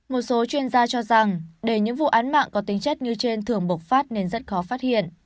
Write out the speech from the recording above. một số chuyên gia cho rằng để những vụ án mạng có tính chất như trên thường bộc phát nên rất khó phát hiện